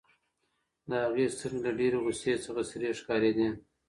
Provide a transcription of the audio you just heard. د هغه سترګې له ډېرې غوسې څخه سرې ښکارېدې.